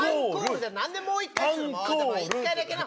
１回だけな。